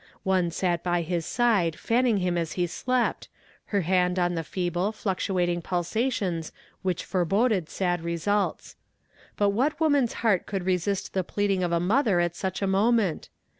One sat by his side fanning him as he slept, her hand on the feeble, fluctuating pulsations which foreboded sad results. But what woman's heart could resist the pleading of a mother at such a moment?